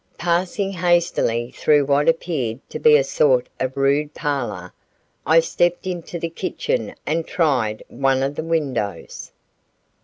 Passing hastily through what appeared to be a sort of rude parlor, I stepped into the kitchen and tried one of the windows.